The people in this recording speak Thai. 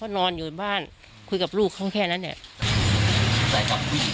เขานอนอยู่บ้านคุยกับลูกเขาแค่นั้นเนี่ย